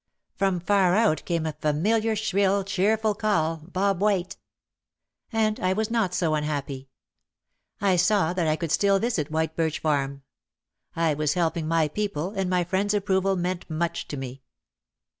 From far out came a familiar shrill, cheerful call "Bob White !" And I was not so unhappy. I saw that I could still visit White Birch Farm. I was helping my people and my friend's approval meant much to me.